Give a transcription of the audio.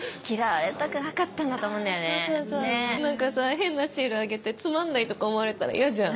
変なシールあげてつまんないとか思われたら嫌じゃん。